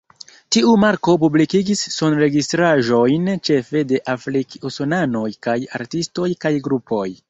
Tiu marko publikigis sonregistraĵojn ĉefe de afrik-usonanoj kaj artistoj kaj grupoj.